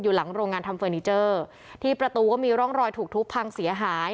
หลังโรงงานทำเฟอร์นิเจอร์ที่ประตูก็มีร่องรอยถูกทุบพังเสียหาย